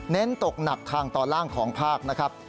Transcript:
เน้นตกหนักทางตอนล่างของภาคนะครับ